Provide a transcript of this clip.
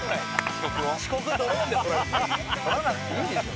撮らなくていいでしょ。